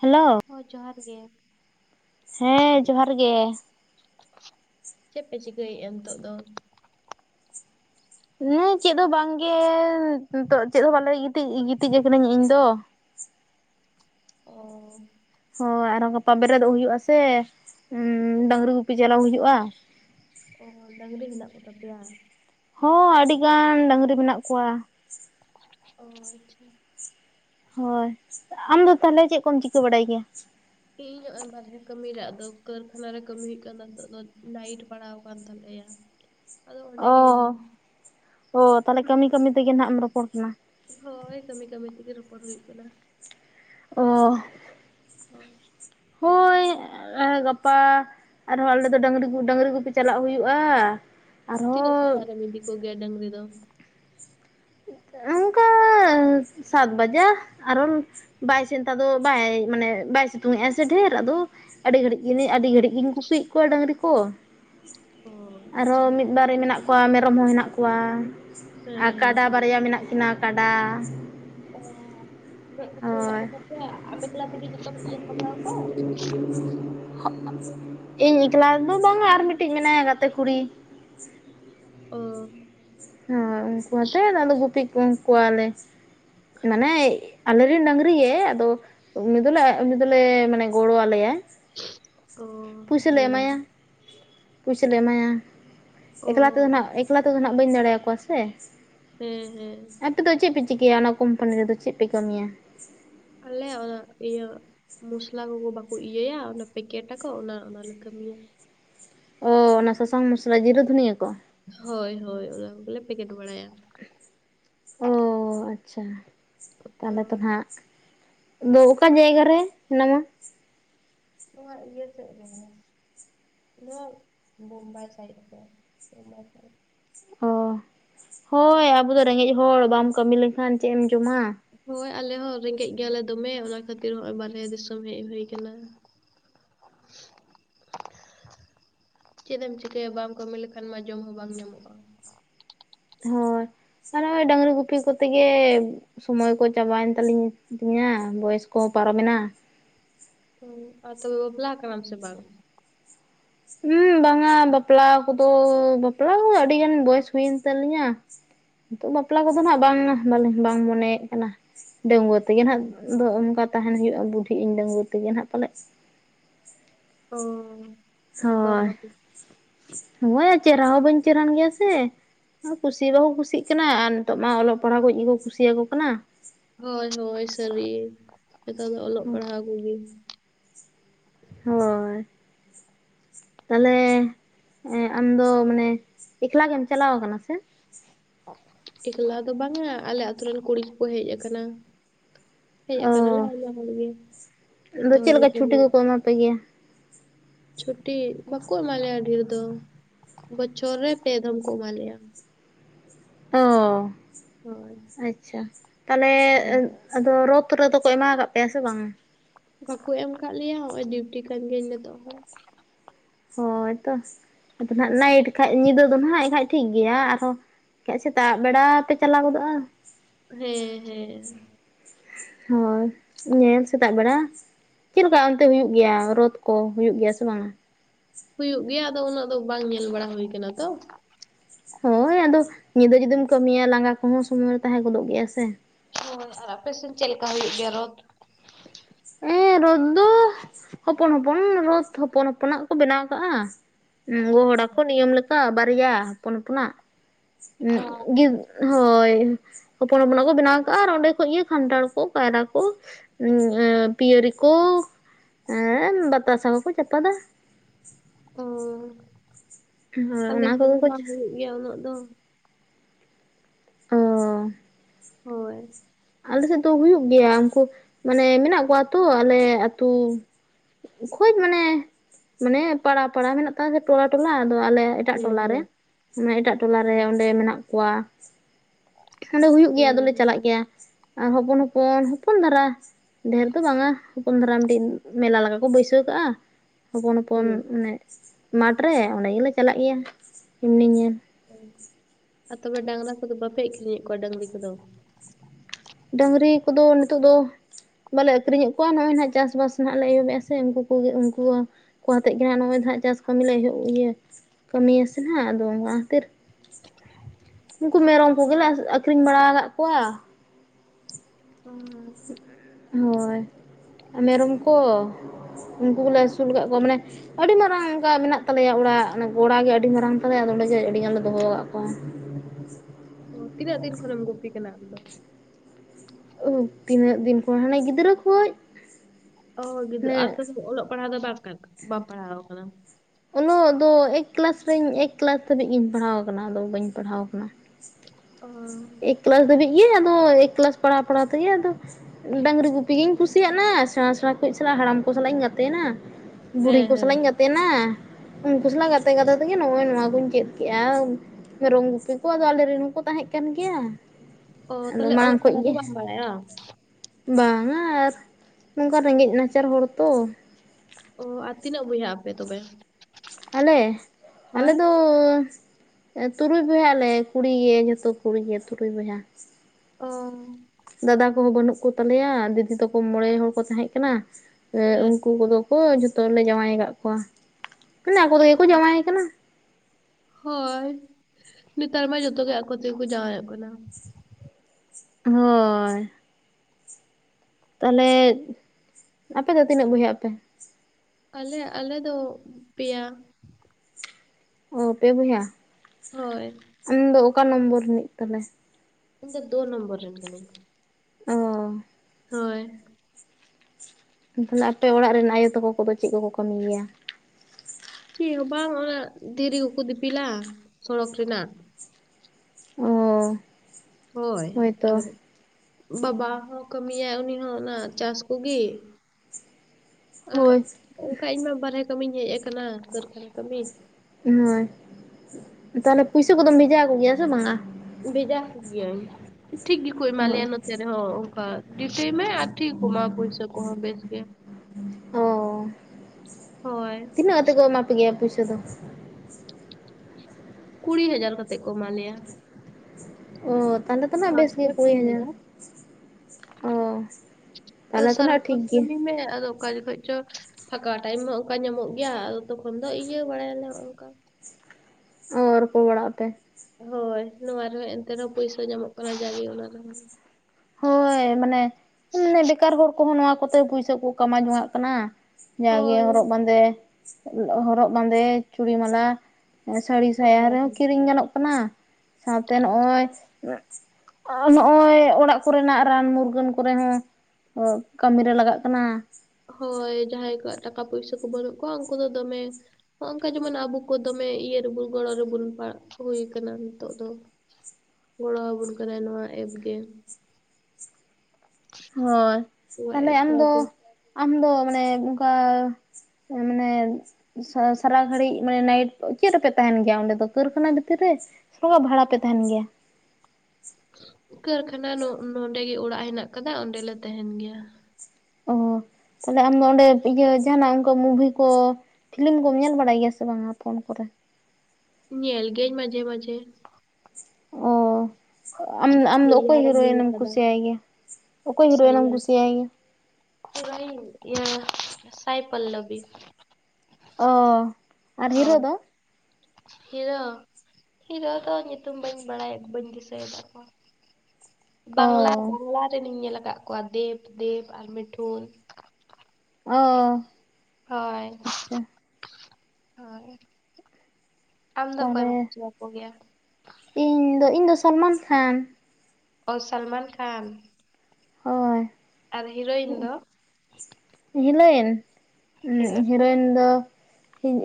Hello, ᱦᱚᱸ ᱡᱚᱦᱟᱨ ᱜᱮ᱾ ᱦᱮᱸ ᱡᱚᱦᱟᱨ ᱜᱮ ᱪᱮᱫ ᱯᱮ ᱪᱤᱠᱟᱹᱭᱮᱫᱼᱟ ᱱᱤᱛᱳᱜ ᱫᱚ? ᱦᱩᱸ ᱪᱮᱫ ᱦᱚᱸ ᱵᱟᱝᱜᱮ ᱱᱤᱛᱚᱜ ᱪᱮᱫ ᱦᱚᱸ ᱵᱟᱞᱮ ᱜᱤᱛᱤᱡ ᱜᱤᱛᱤᱡ ᱟᱠᱟᱱᱟᱹᱧ ᱤᱧ ᱫᱚ ᱚ ᱦᱳᱭ ᱟᱨᱦᱚᱸ ᱜᱟᱯᱟ ᱵᱮᱨᱮᱫᱚᱜ ᱦᱩᱭᱩᱜᱼᱟ ᱥᱮ ᱰᱟᱹᱝᱨᱤ ᱜᱩᱯᱤ ᱪᱟᱞᱟᱣ ᱦᱩᱭᱩᱜᱼᱟ᱾ ᱚ ᱰᱟᱹᱝᱨᱤ ᱢᱮᱱᱟᱜ ᱠᱚᱛᱟ ᱯᱮᱭᱟ? ᱦᱚᱸ ᱟᱹᱰᱤ ᱜᱟᱱᱻ ᱰᱟᱹᱝᱨᱤ ᱢᱮᱱᱟᱜ ᱠᱚᱣᱟ ᱾ ᱚ ᱟᱪᱪᱷᱟ ᱾ ᱦᱳᱭ ᱟᱢᱫᱚ ᱛᱟᱦᱟᱞᱮ ᱪᱮᱫ ᱠᱚᱢ ᱪᱤᱠᱟᱹ ᱵᱟᱲᱟᱭ ᱜᱮᱭᱟ? ᱤᱧ ᱱᱚᱜᱼᱚᱭ ᱵᱟᱨᱦᱮ ᱠᱟᱹᱢᱤ ᱨᱮ ᱟᱫᱚ ᱠᱟᱹᱨᱠᱷᱟᱱᱟ ᱨᱮ ᱠᱟᱹᱢᱤ ᱦᱩᱭᱩᱜ ᱠᱟᱱ ᱱᱤᱛᱚᱜ ᱫᱚ ᱱᱟᱭᱤᱴ ᱯᱟᱲᱟᱣ ᱟᱠᱟᱱ ᱛᱟᱞᱮᱭᱟ ᱾ [inaudible] ᱟᱫᱚ ᱚ ᱚᱸᱰᱮᱜᱮ ᱦᱤᱱᱟᱹᱧᱟ ᱾ ᱚ ᱛᱟᱦᱟᱞᱮ ᱠᱟᱹᱢᱤ ᱠᱟᱹᱢᱤ ᱛᱮᱜᱮ ᱱᱟᱹᱦ ᱮᱢ ᱨᱚᱯᱚᱲ ᱠᱟᱱᱟ? ᱦᱳᱭ ᱠᱟᱹᱢᱤ ᱠᱟᱹᱢᱤ ᱛᱮᱜᱮ ᱨᱚᱯᱚᱲ ᱦᱩᱭᱩᱜ ᱠᱟᱱᱟ᱾ ᱚ ᱦᱳᱭ ᱦᱳᱭ ᱟᱨᱦᱚᱸ ᱜᱟᱯᱟ ᱟᱞᱮᱫᱚ ᱰᱟᱹᱝᱨᱤ ᱰᱟᱹᱝᱨᱤ ᱜᱩᱯᱤ ᱪᱟᱞᱟᱜ ᱦᱩᱭᱩᱜᱼᱟ᱾ ᱛᱤᱱᱟᱹᱜ ᱟᱨᱦᱚᱸ ᱥᱮᱸᱛᱟᱜ ᱨᱮᱢ ᱤᱫᱤ ᱠᱚ ᱜᱮᱭᱟ ᱰᱟᱹᱝᱨᱤ ᱫᱚ? ᱚᱱᱠᱟ ᱥᱟᱛ ᱵᱟᱡᱟᱜ ᱟᱨᱚ ᱵᱟᱭ ᱥᱮᱱᱛᱟ ᱫᱚ ᱵᱟᱭ ᱢᱟᱱᱮ ᱵᱟᱭ ᱥᱤᱸᱛᱩᱝ ᱮᱜᱼᱟ ᱥᱮ ᱰᱷᱮᱸᱨ ᱟᱫᱚ ᱟᱹᱰᱤ ᱜᱷᱟᱹᱲᱤᱡ ᱜᱮ ᱟᱹᱰᱤ ᱜᱷᱟᱹᱲᱤᱡ ᱜᱤᱧ ᱠᱩᱯᱤᱭᱮᱫ ᱠᱚᱣᱟ ᱰᱟᱹᱝᱨᱤ ᱠᱚ ᱚ ᱾ ᱟᱪᱪᱷᱟ᱾ ᱟᱨᱦᱚᱸ ᱢᱤᱫ ᱵᱟᱨ ᱢᱮᱱᱟᱜ ᱠᱚᱣᱟ ᱢᱮᱸᱨᱚᱢ ᱦᱚᱸ ᱦᱮᱱᱟᱜ ᱠᱚᱣᱟ᱾ ᱦᱮᱸ ᱟᱨ ᱦᱮᱸ᱾ ᱠᱟᱸᱰᱟ ᱵᱟᱨᱭᱟ ᱢᱮᱱᱟᱜ ᱠᱤᱱᱟᱹ ᱠᱟᱸᱰᱟ ᱾ ᱚ ᱩᱱᱟᱹᱜ ᱠᱤᱪᱷᱩ ᱦᱮᱱᱟᱜ ᱠᱚᱛᱟ ᱯᱮᱭᱟ ᱟᱢ ᱮᱠᱞᱟ ᱛᱮᱜᱮ ᱡᱚᱛᱚ [unintelligible] ᱠᱚᱣᱟ? ᱤᱧ ᱮᱠᱞᱟ ᱨᱮᱫᱚ ᱵᱟᱝᱼᱟ ᱟᱨ ᱢᱤᱫᱴᱤᱡ ᱢᱮᱱᱟᱭᱟ ᱜᱟᱛᱮ ᱠᱩᱸᱲᱤ ᱾ ᱚ ᱦᱳᱭ ᱩᱱᱠᱩ ᱟᱛᱮᱫ ᱟᱫᱚ ᱜᱩᱯᱤ ᱠᱚ ᱠᱚᱣᱟᱞᱮ, ᱢᱟᱱᱮ ᱟᱞᱮᱨᱮᱱ ᱰᱟᱹᱝᱨᱤ ᱜᱮ ᱟᱫᱚ ᱩᱱᱤ ᱫᱚᱞᱮ ᱩᱱᱤ ᱫᱚᱞᱮ ᱢᱟᱱᱮ ᱜᱚᱲᱚ ᱟᱞᱮᱭᱟ᱾ ᱚ ᱯᱩᱭᱥᱟᱹ ᱞᱮ ᱦᱮᱸ ᱮᱢᱟᱭᱟ, ᱯᱩᱭᱥᱟᱹ ᱞᱮ ᱮᱢᱟᱭᱟ ᱾ ᱚ ᱮᱠᱞᱟ ᱛᱮᱫᱚ ᱱᱟᱸᱜ ᱮᱠᱞᱟ ᱛᱮᱫᱚ ᱱᱟᱸᱜ ᱵᱟᱹᱧ ᱫᱟᱲᱮᱭᱟᱠᱚᱣᱟ ᱥᱮ ᱦᱮᱸ ᱦᱮᱸ᱾ ᱾ ᱟᱯᱮ ᱫᱚ ᱪᱮᱫ ᱯᱮ ᱪ? ᱪᱤᱠᱟᱹᱭᱟ ᱚᱱᱟ ᱠᱳᱢᱯᱟᱱᱤ ᱨᱮᱫᱚ ᱪᱮᱫ ᱯᱮ ᱠᱟᱹᱢᱤᱭᱟ? ᱟᱞᱮ [unintelligible] ᱤᱭᱟᱹ ᱢᱚᱥᱞᱟ ᱠᱚ ᱵᱟᱠᱚ ᱤᱭᱟᱹᱭᱟ ᱚᱱᱟ ᱯᱮᱠᱮᱴᱟᱠᱚ ᱚᱱᱟ ᱚᱱᱟᱞᱮ ᱠᱟᱹᱢᱤᱭᱟ᱾ ᱚᱻ ᱚᱱᱟ ᱥᱟᱥᱟᱝ ᱢᱚᱥᱞᱟ ᱡᱤᱨᱟᱹ ᱫᱷᱩᱱᱤᱭᱟᱹ ᱠᱚ? ᱦᱳᱭ ᱦᱳᱭ ᱚᱱᱟ ᱠᱚ ᱜᱮᱞᱮ ᱯᱮᱠᱮᱴ ᱵᱟᱲᱟᱭᱟ᱾ ᱚ ᱟᱪᱪᱷᱟ ᱛᱟᱦᱞᱮ ᱛᱚ ᱦᱳᱭ ᱦᱟᱸᱜ ᱟᱫᱚ ᱚᱠᱟ ᱡᱟᱭᱜᱟ ᱨᱮ ᱦᱮᱱᱟᱢᱟ ᱛᱚᱢᱟᱨ ᱤᱭᱟᱹ ᱥᱮᱫ ᱨᱮ ᱱᱚᱣᱟ ᱵᱳᱢᱵᱟᱭ ᱥᱟᱭᱤᱰ ᱠᱚ ᱵᱳᱢᱵᱟᱭ ᱥᱟᱭᱤᱰ ᱚ ᱦᱚᱭ ᱟᱵᱚ ᱫᱚ ᱨᱮᱸᱜᱮᱡ ᱦᱚᱲ ᱵᱟᱢ ᱠᱟᱹᱢᱤ ᱞᱮᱠᱷᱟᱱ ᱪᱮᱫ ᱮᱢ ᱡᱚᱢᱟ ᱦᱳᱭ ᱟᱞᱮ ᱦᱚᱸ ᱨᱮᱸᱜᱮᱡ ᱜᱮᱭᱟᱞᱮ ᱫᱚᱢᱮ ᱚᱱᱟ ᱠᱷᱟᱹᱛᱤᱨ ᱦᱚᱸᱜᱚᱭ ᱵᱟᱨᱦᱮ ᱫᱤᱥᱚᱢ ᱦᱮᱡ ᱦᱩᱭ ᱠᱟᱱᱟ ᱻ ᱪᱮᱫ ᱮᱢ ᱪᱤᱠᱟᱹᱭᱟ ᱵᱟᱢ ᱠᱟᱹᱢᱤ ᱞᱮᱠᱷᱟᱱ ᱢᱟ ᱡᱚᱢ ᱦᱚᱸ ᱵᱟᱝ ᱧᱟᱢᱚᱜᱼᱟ ᱦᱳᱭ ᱟᱨ ᱱᱚᱜᱼᱚᱭ ᱰᱟᱹᱝᱨᱤ ᱜᱩᱯᱤ ᱠᱚᱛᱮ ᱜᱮ ᱥᱚᱢᱚᱭ ᱠᱚ ᱪᱟᱵᱟᱭᱮᱱ ᱛᱟᱹᱞᱤᱧ ᱵᱚᱭᱮᱥ ᱠᱚᱦᱚᱸ ᱯᱟᱨᱚᱢ ᱮᱱᱟ ᱛᱚ ᱟᱫᱚ ᱵᱟᱯᱞᱟ ᱠᱟᱱᱟᱢ ᱥᱮ ᱵᱟᱝ ᱦᱩᱸ ᱵᱟᱝᱟ ᱵᱟᱯᱞᱟ ᱠᱚᱫᱚ ᱵᱟᱯᱞᱟ ᱠᱚᱫᱚ ᱟᱹᱰᱤ ᱜᱟᱱ ᱵᱚᱭᱮᱥ ᱦᱩᱭᱮᱱ ᱛᱟᱞᱤᱧᱟ ᱱᱤᱛᱚᱜ ᱵᱟᱯᱞᱟ ᱠᱚᱫᱚ ᱱᱟᱜ ᱵᱟᱝᱟ ᱵᱟᱝ ᱢᱚᱱᱮᱭᱮᱫ ᱠᱟᱱᱟ ᱰᱟᱝᱣᱟᱹ ᱛᱮᱜᱮ ᱱᱟᱦᱟᱜ ᱫᱚ ᱚᱱᱠᱟ ᱛᱟᱦᱮᱱ ᱦᱩᱭᱩᱜᱼᱟ ᱵᱩᱰᱷᱤᱜ ᱤᱧ ᱰᱟᱺᱝᱣᱟᱹ ᱛᱮᱜᱮ ᱱᱟᱦᱟᱜ ᱯᱟᱞᱮᱫ ᱚ ᱟᱫᱚ ᱵᱟᱢ ᱦᱳᱭ ᱵᱟᱯᱞᱟ ᱦᱳᱭ ᱪᱮᱨᱦᱟ ᱦᱚᱸ ᱵᱟᱹᱧ ᱪᱮᱨᱦᱟᱱ ᱜᱮᱭᱟ ᱥᱮ ᱠᱩᱥᱤ ᱵᱟᱠᱚ ᱠᱩᱥᱤᱜ ᱠᱟᱱᱟ ᱟᱨ ᱱᱤᱛᱚᱜ ᱢᱟ ᱚᱞᱚᱜ ᱯᱟᱲᱦᱟᱜ ᱠᱚᱡ ᱜᱮᱠᱚ ᱠᱩᱥᱤᱭᱟᱠᱚ ᱠᱟᱱᱟ ᱦᱳᱭ ᱦᱳᱭ ᱥᱟᱹᱨᱤ ᱱᱮᱛᱟᱨ ᱫᱚ ᱚᱞᱚᱜ ᱯᱟᱲᱦᱟᱣ ᱠᱚᱜᱮ ᱦᱳᱭ ᱛᱟᱦᱚᱞᱮ ᱟᱢ ᱫᱚ ᱢᱟᱱᱮ ᱮᱠᱞᱟ ᱜᱮᱢ ᱪᱟᱞᱟᱣ ᱟᱠᱟᱱᱟ ᱥᱮ ᱮᱠᱞᱟ ᱫᱚ ᱵᱟᱝᱟ ᱟᱞᱮ ᱟᱛᱩᱨ ᱨᱮᱱ ᱠᱩᱲᱤ ᱠᱚᱠᱚ ᱦᱮᱡ ᱟᱠᱟᱱᱟ ᱦᱮᱡ ᱚ ᱟᱠᱟᱱᱟᱞᱮ ᱟᱭᱢᱟ ᱦᱚᱲ ᱜᱮ ᱟᱫᱚ ᱡᱚᱛᱚ ᱦᱚᱲ ᱪᱮᱫ ᱜᱮ ᱞᱮᱠᱟ ᱪᱷᱩᱴᱤ ᱠᱟᱹᱢᱤ ᱠᱚᱠᱚ ᱮᱢᱟ ᱯᱮ ᱜᱮᱭᱟ ᱪᱷᱩᱴᱤ ᱵᱟᱠᱚ ᱮᱢᱟ ᱞᱮᱭᱟ ᱰᱷᱮᱨ ᱫᱚ ᱵᱚᱪᱷᱚᱨ ᱨᱮ ᱯᱮ ᱫᱷᱚᱢ ᱠᱚ ᱮᱢᱟ ᱞᱮᱭᱟ ᱚ ᱦᱳᱭ ᱟᱪᱪᱷᱟ ᱛᱟᱦᱚᱞᱮ ᱟᱫᱚ ᱨᱚᱛ ᱨᱮᱫᱚ ᱠᱚ ᱮᱢᱟᱠᱟᱫ ᱯᱮᱭᱟ ᱥᱮ ᱵᱟᱝᱟ ᱵᱟᱠᱚ ᱮᱢ ᱟᱠᱟᱫ ᱞᱮᱭᱟ ᱱᱚᱜ ᱚᱭ ᱰᱤᱭᱩᱴᱤ ᱠᱟᱱ ᱜᱤᱭᱟᱹᱧ ᱱᱮᱛᱚᱜ ᱦᱚᱸ ᱦᱳᱭ ᱛᱚ ᱟᱫᱚ ᱦᱟᱸᱜ ᱱᱟᱭᱤᱴ ᱠᱷᱟᱡ ᱧᱤᱫᱟᱹ ᱫᱚ ᱱᱟᱦᱟᱜ ᱮᱱᱠᱷᱟᱡ ᱴᱷᱤᱠ ᱜᱮᱭᱟ ᱟᱨᱦᱚᱸ ᱠᱷᱟᱡ ᱥᱮᱛᱟᱜ ᱵᱮᱲᱟ ᱯᱮ ᱪᱟᱞᱟᱣ ᱜᱚᱫᱚᱜᱼᱟ ᱦᱮᱸ ᱦᱮᱸ ᱦᱳᱭ ᱧᱮᱞ ᱥᱮᱛᱟᱜ ᱵᱮᱲᱟ ᱪᱮᱫ ᱞᱮᱠᱟ ᱚᱱᱛᱮ ᱦᱩᱭᱩᱜ ᱜᱮᱭᱟ ᱨᱚᱛ ᱠᱚ ᱦᱩᱭᱩᱜ ᱜᱮᱭᱟ ᱥᱮ ᱵᱟᱝᱟ ᱦᱩᱭᱩᱜ ᱜᱮᱭᱟ ᱟᱫᱚ ᱩᱱᱟᱹᱜ ᱫᱚ ᱵᱟᱝ ᱧᱮᱞ ᱵᱟᱲᱟ ᱦᱩᱭ ᱟᱠᱟᱱᱟ ᱛᱚ ᱦᱳᱭ ᱟᱫᱚ ᱧᱤᱫᱟᱹ ᱡᱩᱫᱤᱢ ᱠᱟᱹᱢᱤᱭᱟ ᱞᱟᱸᱜᱟ ᱠᱚᱦᱚᱸ ᱥᱚᱢᱚᱭ ᱨᱮ ᱛᱟᱦᱮᱸ ᱜᱚᱫᱚᱜ ᱜᱮᱭᱟ ᱥᱮ ᱦᱳᱭ ᱟᱨ ᱟᱯᱮ ᱥᱮᱫ ᱪᱮᱫ ᱞᱮᱠᱟ ᱦᱩᱭᱩᱜ ᱜᱮᱭᱟ ᱨᱚᱛ ᱮ ᱨᱚᱛ ᱫᱚ ᱦᱚᱯᱚᱱ ᱦᱚᱯᱚᱱ ᱨᱚᱛ ᱦᱚᱯᱚᱱ ᱦᱚᱯᱚᱱᱟᱜ ᱠᱚ ᱵᱮᱱᱟᱣ ᱟᱠᱟᱜᱼᱟ ᱜᱚᱦᱚᱲᱟ ᱠᱚ ᱱᱤᱭᱚᱢ ᱞᱮᱠᱟ ᱵᱟᱨᱭᱟ ᱦᱚᱯᱚᱱ ᱦᱚᱯᱚᱱᱟᱜ ᱜᱤᱫ ᱦᱚᱭ ᱦᱚᱯᱚᱱ ᱦᱚᱯᱚᱱᱟᱜ ᱠᱚ ᱵᱮᱱᱟᱣ ᱟᱠᱟᱜᱼᱟ ᱟᱨ ᱚᱸᱰᱮ ᱠᱷᱚᱱᱚᱡ ᱜᱮ ᱠᱷᱟᱱᱴᱷᱟᱲ ᱠᱚ ᱠᱟᱭᱨᱟ ᱠᱚ ᱯᱤᱭᱟᱹᱨᱤ ᱠᱚ ᱵᱟᱛᱟᱥᱟ ᱠᱚ ᱠᱚ ᱪᱟᱯᱟᱫᱟ ᱚ ᱦᱳᱭ ᱟᱞᱮ ᱚᱱᱟ ᱥᱮᱱ ᱠᱚᱜᱮ ᱫᱚ ᱠᱚ ᱵᱟᱝ ᱦᱩᱭᱩᱜ ᱜᱮᱭᱟ ᱩᱱᱟᱹᱜ ᱫᱚ ᱚ ᱦᱳᱭ ᱟᱞᱮ ᱥᱮᱫ ᱫᱚ ᱦᱩᱭᱩᱜ ᱜᱮᱭᱟ ᱩᱱᱠᱩ ᱢᱟᱱᱮ ᱢᱮᱱᱟᱜ ᱠᱚᱣᱟ ᱛᱚ ᱟᱞᱮ ᱟᱹᱛᱩ ᱮᱠᱷᱚᱡ ᱢᱟᱱᱮ, ᱢᱟᱱᱮ ᱯᱟᱲᱟ ᱯᱟᱲᱟ ᱢᱮᱱᱟᱜ ᱛᱟᱭ ᱥᱮ ᱴᱚᱞᱟ ᱴᱚᱞᱟ ᱟᱫᱚ ᱟᱞᱮ ᱮᱴᱟᱜ ᱦᱮᱸ ᱴᱚᱞᱟ ᱨᱮ, ᱦᱮᱸ ᱢᱟᱱᱮ ᱮᱴᱟᱜ ᱴᱚᱞᱟ ᱨᱮ ᱦᱮᱸ ᱚᱸᱰᱮ ᱢᱮᱱᱟᱜ ᱠᱚᱣᱟ ᱚᱸᱰᱮ ᱦᱩᱭᱩᱜ ᱜᱮᱭᱟ ᱟᱫᱚᱞᱮ ᱪᱟᱞᱟᱜ ᱜᱮᱭᱟ ᱟᱨ ᱦᱚᱯᱚᱱ ᱦᱚᱯᱚᱱ ᱦᱚᱯᱚᱱ ᱫᱷᱟᱨᱟ ᱰᱷᱮᱨ ᱫᱚ ᱵᱟᱝᱟ ᱦᱚᱯᱚᱱ ᱫᱷᱟᱨᱟ ᱢᱤᱫᱴᱤᱡ ᱢᱮᱞᱟ ᱞᱮᱠᱟ ᱠᱚ ᱵᱟᱹᱭᱥᱟᱹᱣ ᱠᱟᱜᱼᱟ ᱦᱚᱯᱚᱱ ᱦᱚᱯᱚᱱ ᱦᱮᱸ ᱢᱟᱱᱮ ᱢᱟᱴᱷ ᱨᱮ ᱚᱸᱰᱮ ᱜᱮᱞᱮ ᱪᱟᱞᱟᱜ ᱜᱮᱭᱟ ᱮᱢᱱᱤ ᱧᱮᱞ ᱟᱨ ᱛᱚᱵᱮ ᱰᱟᱝᱨᱟ ᱠᱚᱫᱚ ᱵᱟᱯᱮ ᱟᱹᱠᱷᱨᱤᱧ ᱮᱫ ᱠᱚᱣᱟ ᱰᱟᱝᱨᱤ ᱠᱚᱫᱚ ᱰᱟᱹᱝᱨᱤ ᱠᱚ ᱫᱚ ᱱᱤᱛᱚᱜ ᱫᱚ ᱵᱟᱞᱮ ᱟᱹᱠᱷᱨᱤᱧ ᱮᱫ ᱠᱚᱣᱟ ᱱᱚᱜᱼᱚᱭ ᱱᱟᱜ ᱪᱟᱥᱵᱟᱥ ᱦᱟᱜ ᱞᱮ ᱮᱛᱚᱦᱚᱵ ᱮᱫᱟ ᱥᱮ ᱩᱱᱠᱩ ᱠᱚᱜᱮ ᱩᱱᱠᱩ ᱠᱚ ᱟᱛᱮᱫ ᱜᱮ ᱦᱟᱜ ᱱᱚᱜᱼᱚᱭ ᱱᱟᱦᱟᱸᱜ ᱪᱟᱥ ᱠᱟᱹᱢᱤ ᱞᱮ ᱤᱭᱟᱹ ᱠᱟᱹᱢᱤᱭᱟ ᱥᱮ ᱦᱟᱸᱜ ᱟᱫᱚ ᱚᱱᱟ ᱠᱷᱟᱹᱛᱤᱨ [inaudible] ᱩᱱᱠᱩ ᱢᱮᱨᱚᱢ ᱠᱚ ᱜᱮ ᱞᱮ ᱟᱹᱠᱷᱨᱤᱧ ᱵᱟᱲᱟ ᱟᱠᱟᱫ ᱠᱚᱣᱟ ᱳ ᱦᱳᱜ ᱦᱳᱭ ᱢᱮᱨᱚᱢ ᱠᱚ ᱩᱱᱠᱩ ᱠᱚᱞᱮ ᱟᱹᱥᱩᱞ ᱟᱠᱟᱫ ᱠᱚᱣᱟ ᱢᱟᱱᱮ ᱟᱹᱰᱤ ᱢᱟᱨᱟᱝ ᱚᱱᱠᱟ ᱢᱮᱱᱟᱜ ᱛᱟᱞᱮᱭᱟ ᱚᱲᱟᱜ ᱜᱚᱲᱟ ᱜᱮ ᱟᱹᱰᱤ ᱢᱟᱨᱟᱝ ᱛᱟᱞᱮᱭᱟ ᱟᱫᱚ ᱚᱸᱰᱮ ᱜᱮ ᱟᱹᱰᱤ ᱜᱟᱱ ᱞᱮ ᱫᱚᱦᱚ ᱟᱠᱟᱟᱜ ᱠᱚᱣᱟ [inaudible] ᱚ ᱛᱤᱱᱟᱹᱜ ᱫᱤᱱ ᱠᱷᱚᱱᱮᱢ ᱜᱩᱯᱤ ᱠᱟᱱᱟ ᱟᱢᱫᱚ ᱛᱤᱱᱟᱹᱜ ᱫᱤᱱ ᱠᱷᱚᱱ ᱦᱟᱱᱮ ᱜᱤᱫᱽᱨᱟᱹ ᱠᱷᱚᱱ ᱚ ᱜᱤᱫᱽᱨᱟᱹ ᱟᱨ ᱫᱚ ᱚᱞᱚᱜ ᱯᱟᱲᱦᱟᱜ ᱫᱚ ᱵᱟᱢ ᱯᱟᱲᱦᱟᱣ ᱟᱠᱟᱱᱟ ᱚᱞᱚᱜ ᱫᱚ ᱮᱠ ᱠᱮᱞᱟᱥ ᱨᱮ ᱮᱠ ᱠᱮᱞᱟᱥ ᱫᱷᱟᱹᱵᱤᱡ ᱜᱤᱧ ᱯᱟᱲᱦᱟᱣ ᱟᱠᱟᱱᱟ ᱟᱫᱚ ᱵᱟᱹᱧ ᱯᱟᱲᱦᱟᱣ ᱟᱠᱟᱱᱟ ᱚ ᱮᱠ ᱠᱞᱟᱥ ᱫᱷᱟᱹᱵᱤᱡ ᱜᱮ ᱟᱫᱚ ᱮᱠ ᱠᱞᱟᱥ ᱯᱟᱲᱟᱣ ᱯᱟᱲᱦᱟᱣ ᱛᱮᱜᱮ ᱟᱫᱚ ᱰᱟᱝᱨᱤ ᱜᱩᱯᱤ ᱜᱤᱧ ᱠᱩᱥᱤ ᱠᱩᱥᱤᱭᱟᱜᱱᱟ ᱥᱮᱲᱟ ᱥᱮᱲᱟ ᱠᱚ ᱥᱟᱞᱟᱜ ᱦᱟᱲᱟᱢ ᱠᱚ ᱥᱟᱞᱟᱜ ᱤᱧ ᱜᱟᱛᱮᱭᱱᱟ ᱵᱩᱲᱦᱤ ᱦᱮᱸ ᱠᱚ ᱦᱮᱸ ᱥᱟᱞᱟᱜ ᱤᱧ ᱜᱟᱛᱮᱭᱱᱟ ᱩᱱᱠᱩ ᱥᱟᱞᱟᱜ ᱜᱟᱛᱮ ᱜᱟᱛᱮ ᱛᱮᱜᱮ ᱱᱚᱜᱼᱚᱭ ᱱᱚᱣᱟ ᱠᱩᱧ ᱪᱮᱫ ᱠᱮᱜᱼᱟ ᱢᱮᱨᱚᱢ ᱜᱩᱯᱤ ᱠᱚ ᱟᱫᱚ ᱟᱞᱮ ᱨᱮᱱ ᱦᱚᱸᱠᱚ ᱛᱟᱦᱮᱸᱜ ᱠᱟᱱ ᱜᱮᱭᱟ ᱚ ᱟᱫᱚ ᱛᱟᱦᱚᱞᱮ ᱢᱟᱲᱟᱝ ᱚᱞᱚᱜ ᱠᱷᱚᱡ ᱯᱟᱲᱦᱟᱜ ᱫᱚ ᱜᱮ ᱵᱟᱢ ᱵᱟᱲᱟᱭᱟ‌ ᱟ ᱵᱟᱝᱟ ᱟᱨ ᱚᱝᱠᱟᱱ ᱨᱮᱸᱜᱮᱡ ᱱᱟᱪᱟᱨ ᱦᱚᱲ ᱛᱚ ᱚ ᱟᱨ ᱛᱤᱱᱟᱹᱜ ᱵᱚᱭᱦᱟᱜ ᱟᱯᱮ ᱛᱚᱵᱮ ᱟᱞᱮ ᱟᱞᱮ ᱦᱳᱭ ᱫᱚ ᱛᱩᱨᱩᱭ ᱵᱚᱭᱦᱟᱜ ᱟᱞᱮ ᱠᱩᱲᱤ ᱜᱮ ᱡᱷᱚᱛᱚ ᱠᱩᱲᱤ ᱜᱮ ᱛᱩᱨᱩᱭ ᱵᱚᱭᱦᱟ ᱚ ᱫᱟᱫᱟ ᱠᱚᱦᱚᱸ ᱵᱟᱹᱱᱩᱜ ᱠᱚ ᱛᱟᱞᱮᱭᱟ ᱫᱤᱫᱤ ᱛᱟᱠᱚ ᱢᱚᱬᱮ ᱦᱚᱲ ᱠᱚ ᱛᱟᱦᱮᱸᱜ ᱠᱟᱱᱟ ᱦᱮᱸ ᱩᱱᱠᱩ ᱠᱚ ᱫᱚ ᱠᱚ ᱡᱷᱚᱛᱚ ᱞᱮ ᱡᱟᱶᱟᱭ ᱟᱠᱟᱫ ᱠᱚᱣᱟ ᱢᱟᱱᱮ ᱟᱠᱚ ᱛᱮᱜᱮ ᱠᱚ ᱡᱟᱶᱟᱭ ᱠᱟᱱᱟ ᱦᱳᱭ ᱱᱮᱛᱟᱨ ᱢᱟ ᱡᱚᱛᱚ ᱜᱮ ᱟᱠᱚ ᱛᱮᱜᱮ ᱠᱚ ᱡᱟᱶᱟᱭᱚᱜ ᱠᱟᱱᱟ ᱦᱳᱭ ᱛᱟᱦᱚᱞᱮ ᱟᱯᱮ ᱫᱚ ᱛᱤᱱᱟᱹᱜ ᱵᱚᱭᱦᱟᱜ ᱟᱯᱮ ᱟᱞᱮ ᱟᱞᱮ ᱫᱚ ᱯᱮᱭᱟ ᱚ ᱯᱮ ᱵᱚᱭᱦᱟ ᱦᱳᱭ ᱟᱢᱫᱚ ᱚᱠᱟ ᱱᱚᱢᱵᱚᱨ ᱨᱤᱱᱤᱡ ᱛᱟᱞᱮ ᱤᱧ ᱫᱚ ᱫᱩ ᱱᱚᱢᱵᱚᱨ ᱨᱮᱱ ᱠᱟᱹᱱᱟᱹᱧ ᱚ ᱦᱳᱭ ᱛᱟᱦᱚᱞᱮ ᱟᱯᱮ ᱚᱲᱟᱜ ᱨᱮᱱ ᱟᱭᱳ ᱛᱟᱠᱚ ᱠᱚ ᱫᱚ ᱪᱮᱫ ᱠᱚ ᱠᱚ ᱠᱟᱹᱢᱤ ᱜᱮᱭᱟ ᱪᱮᱫ ᱦᱚᱸ ᱵᱟᱝ ᱦᱚᱜᱼᱚᱭ ᱫᱷᱤᱨᱤ ᱠᱚ ᱠᱚ ᱫᱤᱯᱤᱞᱟ ᱥᱚᱲᱚᱠ ᱨᱮᱱᱟᱜ ᱚ ᱦᱳᱭ ᱟᱨ ᱦᱳᱭᱛᱚ ᱵᱟᱵᱟ ᱦᱚᱸ ᱠᱟᱹᱢᱤᱭᱟᱭ ᱩᱱᱤ ᱦᱚᱸ ᱚᱱᱟ ᱪᱟᱥ ᱠᱚ ᱜᱮ ᱟᱨ ᱦᱳᱭ ᱚᱱᱠᱟ ᱤᱧᱢᱟ ᱵᱟᱦᱨᱮ ᱠᱟᱹᱢᱤᱧ ᱦᱮᱡ ᱟᱠᱟᱱᱟ ᱠᱟᱹᱨᱠᱷᱟᱱᱟ ᱠᱟᱹᱢᱤ ᱦᱳᱭ ᱛᱟᱦᱚᱞᱮ ᱯᱩᱭᱥᱟᱹ ᱠᱚᱫᱚᱢ ᱵᱷᱮᱡᱟ ᱟᱠᱚ ᱜᱮᱭᱟ ᱥᱮ ᱵᱟᱝᱟ ᱵᱷᱮᱡᱟ ᱟᱠᱚ ᱜᱤᱭᱟᱹᱧ ᱴᱷᱤᱠ ᱜᱮᱠᱚ ᱮᱢᱟᱞᱮᱭᱟ ᱦᱳᱭ ᱱᱚᱛᱮ ᱨᱮᱦᱚᱸ ᱚᱱᱠᱟ ᱰᱤᱭᱩᱴᱤᱭ ᱢᱮ ᱴᱷᱤᱠ ᱠᱚ ᱮᱢᱟ ᱯᱩᱭᱥᱟᱹ ᱠᱚᱦᱚᱸ ᱵᱮᱥ ᱜᱮ ᱚ ᱦᱳᱭ ᱛᱤᱱᱟᱹᱜ ᱠᱟᱛᱮ ᱠᱚ ᱮᱢᱟ ᱯᱮᱜᱮᱭᱟ ᱯᱩᱭᱥᱟᱹ ᱫᱚ? ᱠᱩᱲᱤ ᱦᱟᱡᱟᱨ ᱠᱟᱛᱮᱜ ᱠᱚ ᱮᱢᱟ ᱞᱮᱭᱟ ᱚ ᱛᱟᱦᱞᱮ ᱛᱮ ᱢᱟ ᱢᱟᱥ ᱵᱮᱥ ᱜᱮ ᱨᱮ ᱠᱩᱲᱤ ᱦᱟᱦᱟᱨᱟ ᱦᱟᱡᱟᱨ ᱚ ᱟᱫᱚ ᱛᱟᱦᱚᱞᱮ ᱛᱚ ᱱᱟᱜ ᱥᱟᱨᱟᱠᱠᱷᱚᱱ ᱴᱷᱤᱠ ᱜᱮᱭᱟ ᱠᱟᱹᱢᱤ ᱢᱮ ᱟᱫᱚ ᱚᱠᱟ ᱡᱚ ᱠᱷᱚᱱ ᱪᱚ ᱯᱷᱟᱠᱟ ᱴᱟᱭᱤᱢ ᱦᱚᱸ ᱚᱱᱠᱟ ᱧᱟᱢᱚᱜ ᱜᱮᱭᱟ ᱟᱫᱚ ᱛᱚ ᱠᱷᱚᱱ ᱫᱚ ᱤᱭᱟᱹ ᱵᱟᱲᱟ ᱭᱟᱞᱮ ᱱᱚᱜ ᱱᱚᱝᱠᱟ ᱟᱨ ᱨᱩᱯᱚ ᱵᱟᱹᱲᱟᱜ ᱟᱯᱮ ᱦᱳᱭᱸ ᱱᱚᱹᱣᱟ ᱨᱮᱦᱚᱸ ᱮᱱᱛᱮ ᱨᱮᱦᱚᱸ ᱯᱚᱭᱥᱟᱹ ᱧᱟᱢᱚ-ᱜ ᱠᱟᱱᱟ ᱡᱟᱹᱜᱮ ᱚᱱᱟ ᱨᱮᱦᱚᱸ ᱦᱳᱭ ᱢᱟᱱᱮ ᱢᱟᱱᱮ ᱵᱮᱠᱟᱨ ᱦᱚᱲ ᱠᱚᱦᱚᱸ ᱱᱚᱣᱟ ᱠᱚ ᱛᱮ ᱯᱩᱭᱥᱟ ᱠᱚ ᱠᱟᱢᱟᱣ ᱡᱚᱱᱟᱜ ᱠᱟᱱᱟ ᱡᱟᱹᱜᱮ ᱦᱳᱭ ᱦᱚᱨᱚᱜ ᱵᱟᱸᱫᱮ ᱦᱚᱨᱚᱜ ᱵᱟᱸᱫᱮ ᱪᱩᱹᱲᱤ ᱢᱟᱞᱟᱹ ᱥᱟᱹᱲᱤ ᱥᱟᱭᱟ ᱦᱳᱭ ᱨᱮᱦᱚᱸ ᱠᱤᱨᱤᱧ ᱜᱟᱱᱚᱜ ᱠᱟᱱᱟ ᱥᱟᱶᱛᱮ ᱱᱚᱜᱼᱚᱭ ᱱᱚᱜᱼᱚᱭ ᱚᱲᱟᱜ ᱠᱚᱹᱨᱮᱱᱟᱼᱜ ᱨᱟᱱ ᱢᱩᱨᱜᱟᱹᱱ ᱠᱚᱨᱮᱹ ᱦᱚᱸ ᱠᱟᱹᱢᱤ ᱨᱮ ᱞᱟᱜᱟᱹᱜ ᱠᱟᱱᱟ ᱦᱳᱭᱸ ᱡᱟᱦᱟᱸᱭ ᱠᱚᱣᱟᱜ ᱴᱟᱠᱟ ᱯᱩᱭᱥᱟᱹ ᱠᱚ ᱵᱟᱹᱱᱩᱜ ᱠᱚᱹᱣᱟᱹ ᱩᱱᱠᱩ ᱫᱚ ᱫᱚᱢᱮ ᱱᱚᱜ ᱱᱚᱝᱹᱠᱟ ᱡᱮᱹᱢᱚᱱ ᱟᱵᱚ ᱠᱚ ᱫᱚ ᱢᱮ ᱤᱭᱟᱹ ᱨᱮ ᱵᱚᱱ ᱜᱚᱲᱚ ᱨᱮ ᱵᱚᱱ ᱯᱟᱲ ᱦᱩᱭ ᱠᱟᱱᱟ ᱱᱤᱛᱚᱜ ᱫᱚ᱾ ᱜᱚᱲᱚ ᱟᱵᱚᱱ ᱠᱟᱱᱟ ᱱᱚᱣᱟᱹ ᱮᱯ ᱜᱮ᱾ ᱦᱳᱭᱸ ᱱᱚᱣᱟ ᱛᱟᱦᱞᱮ ᱮᱯ ᱟᱢ ᱫᱚ ᱛᱟᱞᱟᱛᱮ᱾ ᱟᱢ ᱫᱚ ᱢᱟᱹᱱᱮ ᱚᱱᱠᱟ ᱢᱟᱹᱱᱮ ᱥᱟᱸ ᱥᱟᱨᱟ ᱜᱷᱟᱹᱲᱤᱡ ᱢᱟᱱᱮ ᱱᱟᱭᱤᱴ ᱪᱮᱫ ᱨᱮ ᱯᱮ ᱛᱟᱦᱮᱸᱱ ᱜᱮᱼᱭᱟ ᱚᱸᱰᱮ ᱫᱚ ᱠᱟᱹᱨᱠᱷᱟᱱᱟ ᱵᱷᱤᱛᱤᱨ ᱨᱮ ᱯᱩᱨᱟᱹ ᱵᱷᱟᱲᱟ ᱯᱮ ᱛᱟᱦᱮᱸᱱ ᱜᱮᱭᱟ ᱠᱟᱹᱨᱠᱷᱟᱱᱟ ᱱᱚᱹᱰᱮ ᱜᱤ ᱚᱲᱟᱼᱜ ᱦᱮᱱᱟᱼᱜ ᱟᱠᱟᱫᱟ ᱚᱸᱰᱮᱞᱮ ᱛᱟᱦᱮᱸᱱ ᱜᱮᱭᱟ ᱚᱦᱸ ᱛᱟᱦᱞᱮ ᱟᱢ ᱫᱚ ᱚᱸᱰᱮ ᱤᱭᱟᱹ ᱡᱟᱦᱟᱱᱟᱼᱜ ᱚᱱᱠᱟ ᱢᱩᱵᱷᱤ ᱠᱚ ᱯᱷᱤᱞᱤᱢ ᱠᱚᱸᱢ ᱧᱮᱞ ᱵᱟᱲᱟᱭ ᱜᱮᱭᱟ ᱥᱮ ᱵᱟᱝᱼᱟ ᱯᱷᱳᱱ ᱠᱚᱨᱮ? ᱧᱮᱞ ᱜᱮᱟᱹᱭ ᱢᱟᱡᱮ ᱢᱟᱡᱮ ᱚᱸ ᱟᱢ ᱟᱢ ᱫᱚ ᱚᱠᱚᱭ ᱥᱮᱭᱟᱨᱟᱧ ᱧᱮᱞ ᱦᱤᱨᱳᱭᱮᱱ ᱮᱢ ᱟᱠᱟᱫᱟ ᱠᱩᱥᱤᱭᱟᱭ ᱜᱮᱭᱟ ᱚᱠᱚᱭ ᱦᱤᱨᱳᱭᱮᱱ ᱮᱢ ᱥᱮᱭᱟᱨ ᱠᱩᱥᱤᱭᱟᱭ ᱜᱮᱭᱟ? [inaudible] ᱤᱭᱟᱹ ᱥᱟᱭᱸ ᱯᱚᱞᱚᱵᱤ ᱚᱸ ᱟᱨ ᱦᱤᱨᱳ ᱫᱚ᱾ ᱦᱤᱨᱳ ᱦᱤᱨᱳ ᱫᱚ ᱧᱩᱛᱩᱢ ᱵᱟᱹᱧ ᱵᱟᱹᱲᱟᱭᱟ ᱵᱟᱹᱧ ᱫᱤᱥᱟᱹᱭᱮᱫᱟ ᱠᱚᱣᱟ ᱵᱟᱝᱞᱟ ᱚ ᱵᱟᱝᱞᱟ ᱨᱮᱱᱤᱧ ᱧᱮᱞ ᱟᱠᱟᱫ ᱠᱚᱣᱟ ᱫᱮᱵᱽ ᱫᱮᱵᱽ ᱟᱨ ᱢᱤᱴᱷᱩᱱ ᱚ ᱦᱳᱭ ᱟᱪᱪᱷᱟ ᱦᱳᱭ ᱟᱢᱹ ᱫᱚ ᱚᱠᱚᱭ ᱮᱢ ᱛᱟᱦᱚᱞᱮ ᱠᱩᱥᱤᱭᱟ ᱠᱚ ᱜᱮᱭᱟ? ᱤᱧ ᱫᱚ ᱤᱧ ᱫᱚ ᱥᱚᱞᱹᱢᱟᱱ ᱠᱷᱟᱱ ᱚ ᱥᱟᱞᱹᱢᱟᱱ ᱠᱷᱟᱱ ᱟᱨ ᱦᱤᱨᱳᱭᱤᱱ ᱫᱚ ᱦᱳᱸ ᱦᱤᱞᱟᱹᱭᱮᱱ ᱦᱤᱨᱳ ᱦᱤᱨᱳᱭᱤᱱ ᱫᱚ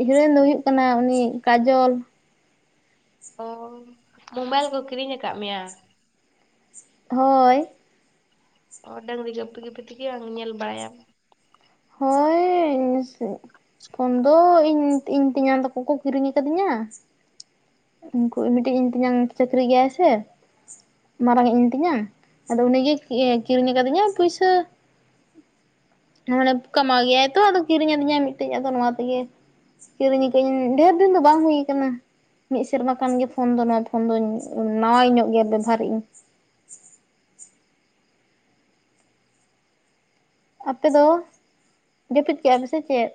ᱦᱤᱨᱳᱭᱤᱱ ᱫᱚᱭ ᱦᱩᱭᱩᱜ ᱠᱟᱱᱟᱹᱭ ᱩᱱᱤ ᱠᱟᱡᱚᱞ ᱚᱼ ᱢᱳᱵᱟᱭᱤᱞ ᱠᱚ ᱠᱤᱨᱤᱸᱧ ᱟᱠᱟᱫ ᱢᱮᱭᱟ ᱦᱳᱭ ᱚ ᱰᱟᱝᱨᱤ ᱜᱟᱹᱯᱤ ᱜᱮᱯᱤ ᱛᱮ ᱜᱮ ᱵᱟᱝ ᱧᱮᱞ ᱵᱟᱹᱲᱟᱭᱟᱢ ᱦᱚᱭ ᱯᱷᱳᱱ ᱫᱚ ᱤᱧ ᱤᱧᱸ ᱛᱮᱧᱟᱝ ᱴᱚᱹᱟᱠᱚ ᱠᱚ ᱠᱤᱨᱤᱸᱧ ᱟᱠᱟᱫᱤᱧᱟ ᱩᱱᱠᱩ ᱢᱤᱫᱴᱤᱡ ᱤᱧ ᱛᱮᱧᱟᱝ ᱪᱟᱹᱠᱨᱤ ᱜᱮᱭᱟᱭ ᱥᱮ ᱢᱟᱨᱟᱹᱝᱮᱫ ᱤᱧ ᱛᱤᱧᱟᱹᱝ ᱟᱫᱚ ᱩᱱᱤ ᱜᱮ ᱠᱤᱨᱤᱸᱧ ᱟᱠᱟᱫᱤᱧᱟᱭ ᱯᱩᱭᱥᱟᱹ ᱢᱟᱹᱱᱮ ᱠᱟᱢᱟᱣ ᱜᱮᱭᱟᱭ ᱛᱚ ᱟᱫᱚ ᱠᱤᱨᱤᱸᱧ ᱟᱹᱫᱤᱧᱟᱭ ᱢᱤᱫᱴᱮᱡ ᱟᱫᱚ ᱱᱚᱣᱟ ᱛᱮ ᱜᱮ ᱠᱤᱨᱤᱸᱧ ᱟᱠᱟᱜ ᱤᱧ ᱰᱷᱮᱨ ᱫᱤᱱᱹ ᱫᱚ ᱵᱟᱝ ᱦᱩᱭ ᱟᱠᱟᱱᱟ ᱢᱤᱫ ᱥᱮᱨᱢᱟ ᱠᱟᱱ ᱜᱮ ᱯᱷᱳᱱᱹ ᱫᱚ ᱱᱚᱣᱟᱹ ᱯᱷᱳᱱᱹ ᱫᱚᱧ ᱱᱟᱣᱟᱭ ᱧᱚᱜᱹ ᱜᱮᱼᱭᱟ ᱵᱮᱵᱷᱟᱨ ᱨᱮ ᱟᱹᱧ ᱟᱯ ᱫᱚ ᱡᱟᱹᱯᱤᱫ ᱠᱮᱜᱼᱟ ᱯᱮ ᱥᱮ ᱪᱮᱫ?